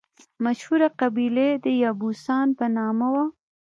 مشهوره قبیله یې د یبوسان په نامه وه.